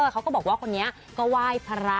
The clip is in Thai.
เขาก็บอกว่าคนนี้ก็ไหว้พระ